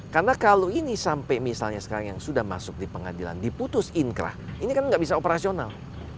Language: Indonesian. karena kalau ini sampai misalnya sekarang yang sudah masuk di pengadilan diputus inkra ini kan nggak bisa operasional